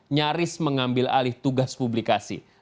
nyaris mengambil alih tugas publikasi